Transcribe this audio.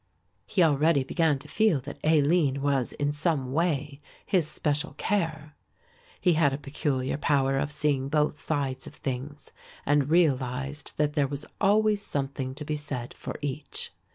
He already began to feel that Aline was in some way his special care. He had a peculiar power of seeing both sides of things and realised that there was always something to be said for each.